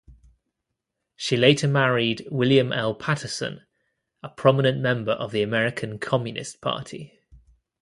She later married William L. Patterson, a prominent member of the American Communist Party.